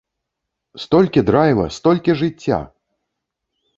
Столькі драйва, столькі жыцця!